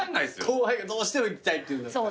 後輩がどうしても行きたいって言うんだったら。